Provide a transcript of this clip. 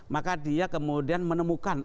maka dia kemudian menemukan